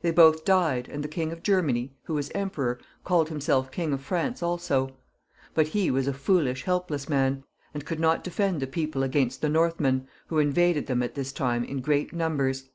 They both died, and the King of Germany, who was emperor, called himself King of France also ; but he was a foolish, helpless man, and could not defend the people against the Northmen, who invaded them at this time in great numbers.